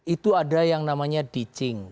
itu ada yang namanya deaching